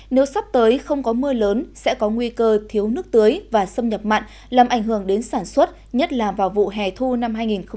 nếu sắp tới không có mưa lớn sẽ có nguy cơ thiếu nước tưới và xâm nhập mặn làm ảnh hưởng đến sản xuất nhất là vào vụ hè thu năm hai nghìn hai mươi